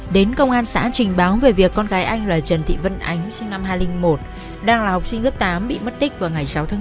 đến công an xã trình báo về việc con gái anh là trần thị vân ánh sinh năm hai nghìn một đang là học sinh lớp tám bị mất tích vào ngày sáu tháng bốn